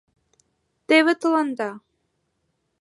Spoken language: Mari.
Теве тыланда!